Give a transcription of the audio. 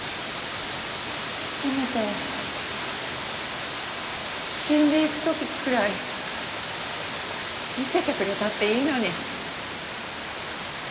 せめて死んでいく時くらい見せてくれたっていいのに。